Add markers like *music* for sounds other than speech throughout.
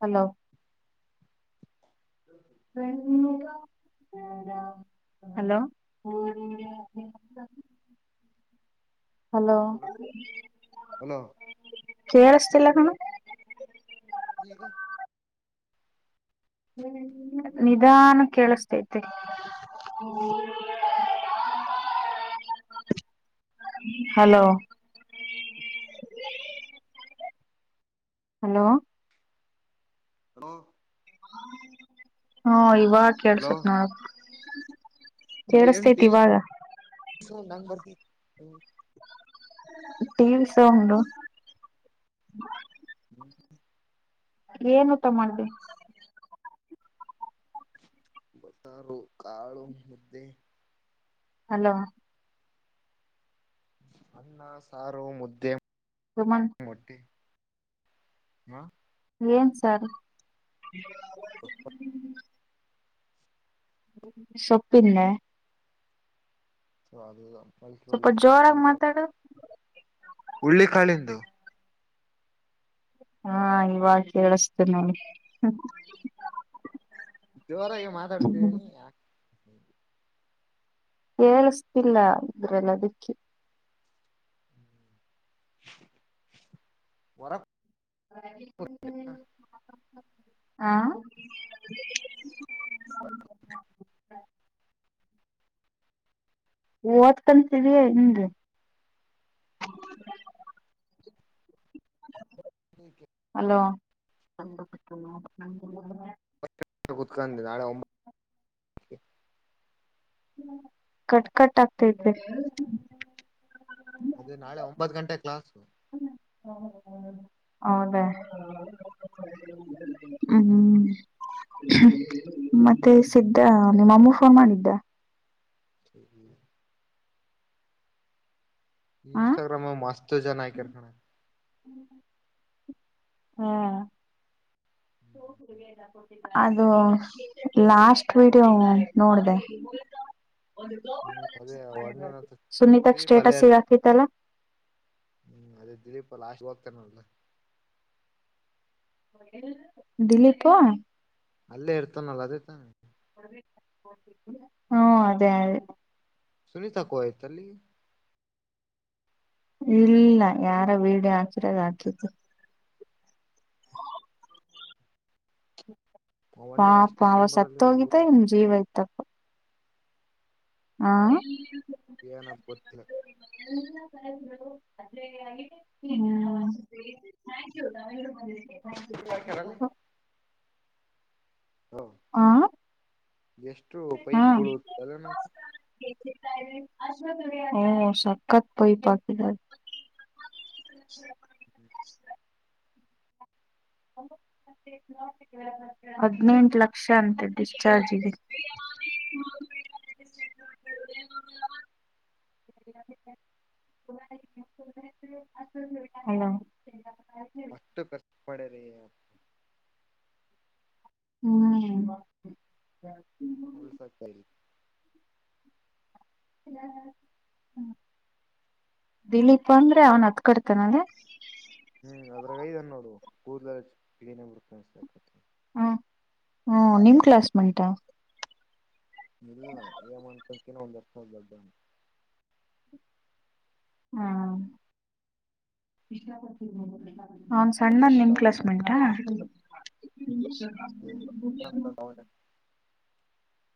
Hello ಹ hello hello hello ಕರ್ಷ್ಟಲ್ಲ ಕಣ ಗ. ನಿಧಾನ ಕೇಳಿಸತೈತೆ. *unintelligible* ಹಲೋ. ಹಲೋ. ಹಲೋ. ಹಾ ಇವಾಗ ಹಲೋ ಕೇಳ್ಸತ್ ನಾಳ. ಕೇಳಸ್ತೈತಿ ಇವಾಗ ನ ಬರ್. ಟಿ ವಿ ಶೋ ಉಂದುು ಹ್ಮ. ಏನು ತ ಮಾಡಿ. ಬತಾರು ಕಾಳು ಮುದ್ದೆ. ಹಲೋ ಅ ಸಾರು ಮುದ್ದೆ. ತಮನ್. ಮೊಟ್ಟೆ ಹಾ. ಏನ್ ಸರ್. ಹ ಸೊಪ್ಪಿಲ್ಲ ಸ್ವಲ್ಪ ಜೋರಾಗಿ ಮಾತಾಡು ಹುಳ್ಳಿ ಕಾಳಂದು. ಹಾ ಇವಾಗ ಕೇಳಿಸತೇನೆ. ಜೋರಾಗಿ ಮಾತಾಡ್ತಿದೀನಿ. ಳಸಿಲ್ಲ ಅಂದ್ರೆಲ್ಲ ದಿಕ್ಕಿ ವರ ಆ. *inaudible* *unintelligible* ಓದ್ಕಂತಿದೇ ಅಂದೆ *inaudible* *inaudible* ಹಲೋ. ಕುತ್ಕೊಂಡೆ ನಳೆ ಒಂಬತ್ತು ಕಟ್ ಕಟ್ ಆಗ್ತೈತೆ. ಅದು ನಾಳೆ ಒಂಬತ್ ಗಂಟೆ ಕ್ಲಾಸ್. ಹೌದ. ಹ್ಮ್. ಹ್ಮ್ ಮತ್ತೆ ಸಿದ್ದ ನಿಮ್ಮಮ್ಮೂ ಫೋನ್ ಮಾಡಿದ್ದ. ಹ್ಮ್. ಹ ಇನ್ಸ್ಟಾಗ್ರಾಮ ಮಸ್ತು ಜಾನಯಕಖಾನ ಹ್ಮ್. ಹ್ಮ. *inaudible* ಅದು ಲಾಸ್ಟ್ ವಿಡಿಯೋ ನೋಡ್ದ. ಅದೇ ಅಣ್ಣನ ಹತ್ರ ಸುನೀತಕ್ ದಿಲೀಪ್ ಅಲ್ಲೇ ಸ್ಟೇಟಸ್ ಇರ್ತ ಈಗಾಕತಿತ್ತಲ್ಲ. ಹ್ಮ್ ಅದೇ ದಿಲೀಪ ಲಾಸ್ ಹಕ್ತನಲ್ಲ. ದಿನಕ್ಕೆ ಇಲ್ಲೇ ಇರ್ತಾನಲ್ಲ ಅದ ಇರ್ತಾನ ಹ್ಮ ಅದೇ ಅದೇ. ಸುನಿತಾ ಕೋಯತಲ್ಲಿ ಇಲ್ಲ ಯಾರ ವಿಡಿಯೋ ಹಾಕಿರೋದ ಆತು ಅಣ್ಣಗ್ ಪಾಪ ಅಷ್ಟ ಅವ ಇಷ್ಟನ ಬರಲ್ಲ ಸತ್ತ ಇವಾಗ ಊರ ಹೋಗಿದ್ದ ನಿಮ್ ಜೀವ ಇತ್ತಪ್ಪ ಹಾ ಏನಪ್ಪ ಗೊತ್ತಿಲ್ಲ ಹ ಹಾಕ್ಯಾರಲ್ಲಿ *unintelligible* ಹ ಹ್ಮ್ ಎಷ್ಟು ಪೈಪ್ ಕೊಡ ಅಲ್ಲ ನ ಹ್ಮ ಸಖತ್ ಪೈ ಪಾಕಿದಾರ *unintelligible* *unintelligible* ಹದಿನೆಂಟು ಲಕ್ಷ ಅಂತೆ ಡಿಸ್ಚಾರ್ಜಿಗೆ *unintelligible* *unintelligible* ಹಲೋ ಅಷ್ಟು ಖರ್ಚು ಮಾಡ್ಯಾರಿ ಹ್ಮ್ *unintelligible* ಇಲ್ಲ ಹ್ಮ ದಿಲೀಪ ಅಂದ್ರೆ ಅವನ್ ಹತ್ಕಡ್ತಾನಲ್ಲ ಹ್ಮ್ ಅದ್ರಾಗೈದಾನ ನೋಡು ಕೂರ್ಲಿನೇ ಬತ ಹ ಹ್ಮ ನಿಮ ಕ್ಲಾಸ್ ಮೆಂಟ್ ಇಲ್ಲ ಏಮ ಅನ್ಂತಕನ ಒಂದ್ ಎರ್ಸ ದಡ್ಡನ್ ಹಾ ಅವಂದ ನಾವು ಸಣ್ಣಂದ್ ಗುಂಡ ನಿಮ ಗುಂಡ ಕ್ಲಾಸ್ ಮಿಂಟಾ ಹ್ಮ್ *unintelligible*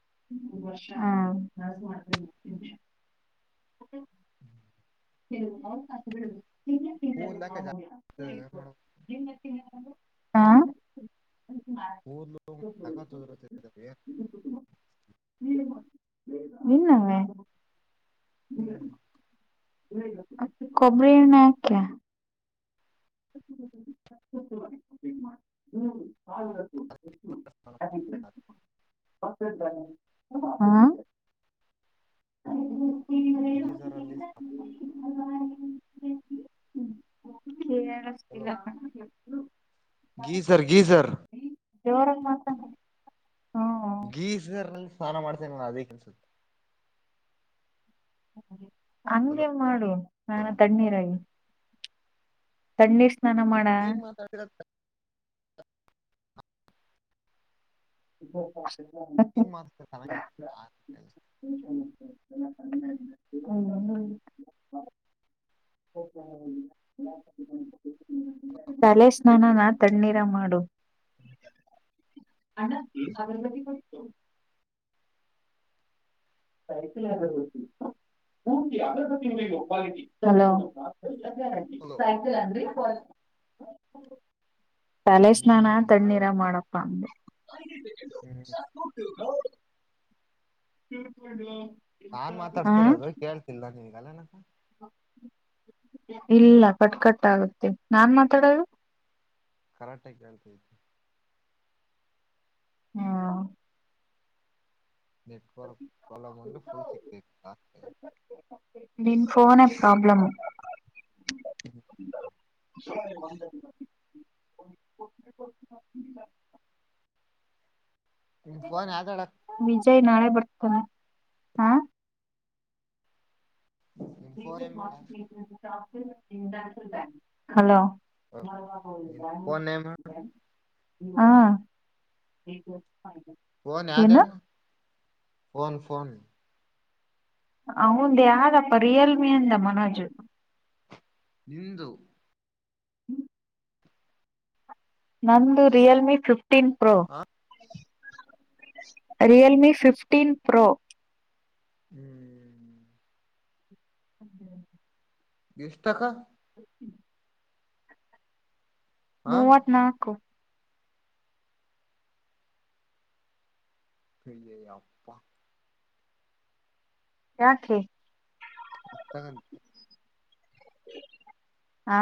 ಹ ಹ್ಮ್ ಅವಕಾಶಗಳು ತಿ ಕೂದ್ಲಾಕ ಮಾಮೂ ಜಾಸ್ತಿ ಏನ್ ಮಾಡ ಹಾ ಕೂದ್ಲು ಸಕತ್ ಉದುರುತೈತೆ ನಿನ್ನವೇ ಹ್ಮ್ ಕಬರ ನ ಕ್ಯಾ ಹ್ಮ್ ಹದು ಅ ಹಾ *unintelligible* *inaudible* ಗೀಜರ್ ಅಲ್ಲಿ ಹಳಷ್ಟ ಹಲೋ ಗೀಸರ್ ಗೀಸರ್ ಜೋರಂಗ ಮಾಸ ಹ್ಮ ಗೀಸಗರ್ ನಲ್ಲಿ ಸ್ನಾನ ಮಾಡ್ತೇನೆ ನ ಅದೇ ಕೆಲ್ಸುತ್ತ ಹಂಗೆ ಮಾಡು ನಾನ ತಣ್ಣೀರಾಗಿ ತಣ್ಣೀರ್ ಸ್ನಾನ ಮಾಡ ನೀನ್ ಮಾತಾಡ್ತಿರ ಹ ಮೀನ್ ಮಾದದಲ್ಲಿ ತಲೆಗಳ ಆ ಹೌ ಹೌದ ತಲೆೆ ಸ್ನಾನನ ತಣ್ಣೀರ ಮಾಡು ಅ ಸಾಬರಮತಿ ಕೊ ಸೈಕಲ್ ಆಗರ್ಬೇಕರ್ತಿ ಆಗಬೇಕ ನಿಗ ಒ ತನ್ರಿ ಪ್ಯಾಲೇಸ್ ನಾನ ಹ್ಮ್ ತಣ್ಣೀರ ಮಾಡ್ಬೇಕು ಮಾಡಪ್ಪ ಅಂದಗೆ ಹ್ಮ್ *unintelligible* ಶ ಮಾಡಲ ನಾನ್ ಮಾತಾಡ್ತಿರೋದು ಕೇಳ್ತಿಲ್ ನೀವಗ ಅಲ್ಲನಕ ಇಲ್ಲ ಕಟ್ಕಟ್ಗುತ್ತೆ ನಾನ್ ಮಾತಾಡೋದು ಕರಾಟೆ ಹೇಳ್ತ ಇದತು ಹ್ಮ ನೆಟ್ವರ್ ಕಲ ಮಂಡ ಲ್ ಸಿತಿ ಆ ನಿನ್ ಫೋನ ಪ್ರಾಬ್ಲಮ ಹ್ಮ *inaudible* *unintelligible* ನಿಫೋನ್ ಯದೋಡ ತ ಹಾ ನಿಮ್ ಫೋನ್ ನೇಮ್ ಹೇಳ ಹಲೋ ನಿನ್ ಫೋನ್ ನೇಮ್ ಹೇಳು ಹಾ ಫೋನ್ ಏನು ಯದೆಣ ಫೋನ್ ಫೋನ್ ಹಂದ ಯ್ದಪ್ಪ ರಿಯಲ್ಮಿ ಅಂದ ಮನೋಜು ನಿಂದು ನಂದು ರಿಯಲ್ಮಿ ಫಿಫ್ಟೀನ್ ಪ್ರೋ ಹಾ ರಿಯಲ್ಮಿ ಫಿಫ್ಟೀನ್ ಪ್ರೊ ಹ್ಮ್ ಹೆ ಎಷ್ಟಟಕ ಹಾ ಮೂವತ್ನಾಾಲ್ಕು ಬೆಯ ಅಪ್ಪಾ ಯ ಕ ಹತ ಗ ಆ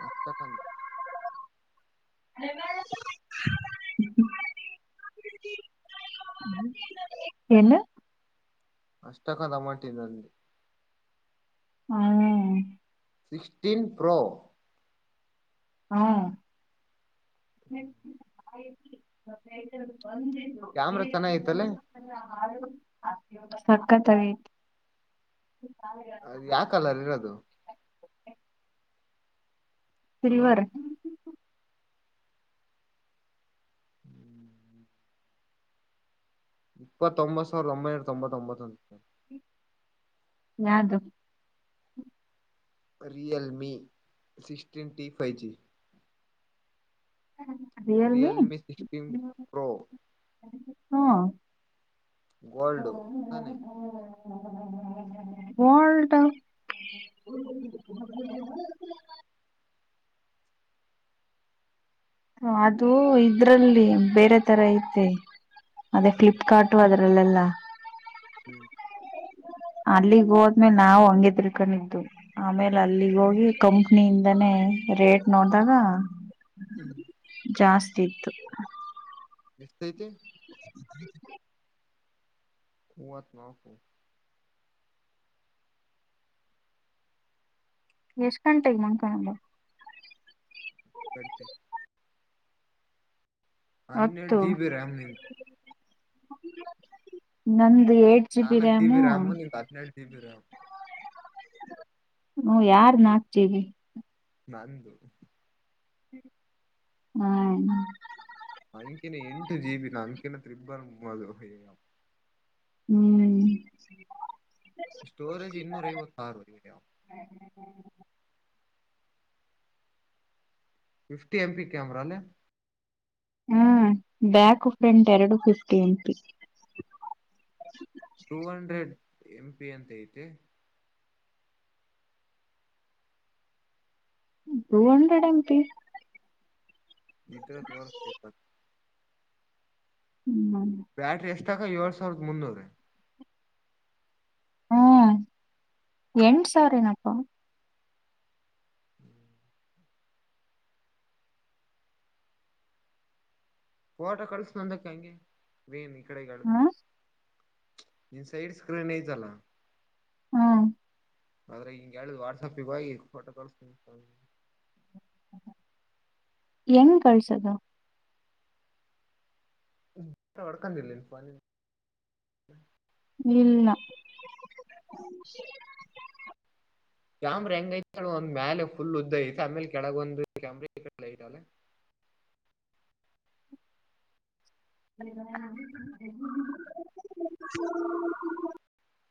ಮಸ್ತೈತ್ ಅಂದ್. *unintelligible* ಏನ ಅಷ್ಟಕ ದಮಂಟಿ ನಂದಿ. ಹ್ಮ ಸಿಕ್ಸ್ಟೀನ್ ಪ್ರೋ. ಹ್ಮ್ ಕ್ಯಾಮ್ರಾ ಚೆನ್ನಗ ಐತಲ್ಲಿ. ಸಕ್ಕತಾಗ ಐತ. ಅದು ಯಾ ಕಲರ್ ಇರದು. ಹಲೋ ಸಿರಿವಾರ್ ಇಪ್ಪತ್ತೊಂಬತ್ತು ಸಾವಿರದ ಒಂಬೈನೂರ ತೊಂಬತ್ತೊಂಬತ್ತು ಅಂದ. ಯಾರ್ದು. Realme ಸಿಕ್ಸ್ಟೀನ್ಟಿ five G. ಹ್ಮ ರಿಯಲ್ಮಿ ಸಿಕ್ಸ್ಟೀನ್ ಪ್ರೋ. ಹ್ಮ್ ಗೋಲ್ಡ್ ತಾನೆ ಒಲ್ಟಾವ್. *unintelligible* ಅದು ಇದ್ರಲ್ಲಿ ಬೇರೆ ತರ ಐತೆ. ಅದೇ ಹ್ಮ್ ಫ್ಲಿಪ್ಕಾರ್ಟು ಅದ್ರಲ್ಲೆಲ್ಲಾ. ಹ್ಮ್ ಅಲ್ಲಿಗ್ ಹೋದ್ಮೇಲ ನಾವು ಹಂಗೆ ತಿಳ್ಕೊಂಡಿದ್ದು ಆಮೇಲ. ಅಲ್ಲಿಗ್ ಹೋಗಿ ಕಂಪ್ನಿಯಿಂದಾನೇ. ಏ ರೇಟ್ ನೋಡ್ದಾಗ ಹ್ಮ್ ಜಾಸ್ತಿ ಇತ್ತು. ಎಷ್ಟ ಐತಿ. *inaudible* ಮೂವತ್ತ ನಾಕು. ಎಷ್ಟ್ ಗಂಟೆಗ ಮಂಕಣದು. ಕಟ್ಟಿ. ಹನ್ನೆರಡ ಜಿಬಿ ರ್ಯಾಮ್ನಿದ. ನನ್. ನಾಲಕ್ ಜಿಬಿ ರ್ಯಾಮು ನಿಂದ್ ಹದನೇಳು ಜಿಬಿ ರ್ಯಾಮ್. ಹ್ಮ್ ಯಾರ್ ನಾಕ್ ಜಿಬಿ. ನಂದು. ಹ್ಮ್ ನಂಕಿನ ಎಂಟ ಜಿಬಿ ನಮ್ ಕಿನಾ ತ್ರಿಬ್ಬರ ಮು ಅದ ಹ್ಮ್ ಸ್ಟೋರೆಜ ಇನ್ನೂರೈವತ್ ಆರ್ ಫಿಫ್ಟಿ ಎಂ ಪಿ ಕ್ಯಾಮರಲ್ಲ. ಹ್ಮ ಬ್ಯಾಕ್ ಫ್ರಂಟ್ ಎರಡು fifty MP two hundred M P ಅಂತ ಐತೆ. Two hundred MP. ಇದ್ರಗ್ ತೋರಿಸ್ತಿವ ಬ ಹ್ಮ ಬ್ಯಾಟ್ರಿ ಎಷ್ಟಕ ಏಳ್ ಸಾವಿರದ ಮುನ್ನೂರೆ. ಹ್ಮ್ ಎಂಟ್ ಸಾವರೇನಪ್ಪ. *inaudible* ಪೋಟೋ ಕಳಸ ನಂದಕ್ಕ ಹಂಗೆ ವಿಮ್ ಈಕಡೆ ಗಾಳ್ದು. ಹ ನಿಂದ್ ಸೈಡ್ ಸ್ಕ್ರೀನ್ ಐತಲ. ಹ್ಮ್ ಆದ್ರೆ ಹಿಂಗೆ ಹೇಳುದು ವಾಟ್ಸಪ್ಗ ಹೋಗಿ ಫೋಟೋ ಕಳಿಸತೀನಿ ಎಂಗ ಕಳ್ಸದು ಒಡಕೊಂಡ್ ಇಲ್ಲ ಇಲ್ಲ ಕ್ಯಾಮ್ರಾ ಹೆಂಗೈತಳ ಒಂದ್ ಮ್ಯಾಲಲೆ ಫುಲ್ ಉದ್ದ ಐತೆ ಆಮೇಲೆ ಕೆಳಗೊಂದು ಕ್ಯಾಮ್ರಐಲ್ಲ *inaudible* ಹ *unintelligible*